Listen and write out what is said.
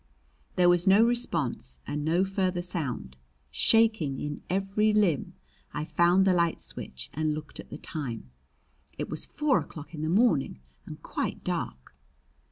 There was no response and no further sound. Shaking in every limb, I found the light switch and looked at the time. It was four o'clock in the morning and quite dark.